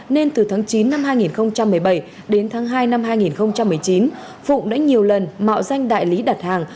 nên từ tháng chín năm hai nghìn một mươi bảy đến tháng hai năm hai nghìn một mươi chín phụng đã nhiều lần mạo danh đại lý đặt hàng